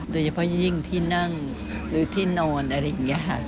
โดยเฉพาะยิ่งที่นั่งหรือที่นอนอะไรอย่างนี้ค่ะ